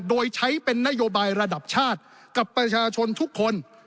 โดยใช้เป็นนโยบายระดับชาติกับประชาชนทุกคน